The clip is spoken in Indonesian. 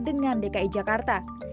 dengan dki jakarta